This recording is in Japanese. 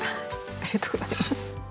ありがとうございます。